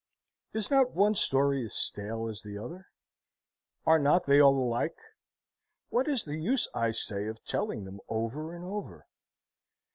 Is not one story as stale as the other? Are not they all alike? What is the use, I say, of telling them over and over?